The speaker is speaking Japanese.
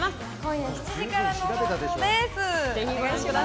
今夜７時からの放送です。